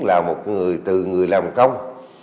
là một người từ người làm công